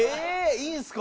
いいんですか？